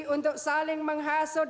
untuk saling menghasut